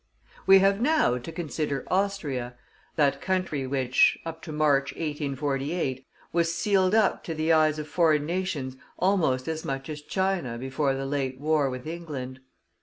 We have now to consider Austria; that country which, up to March, 1848, was sealed up to the eyes of foreign nations almost as much as China before the late war with England.